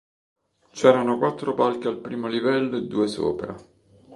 C'erano quattro palchi al primo livello e due sopra.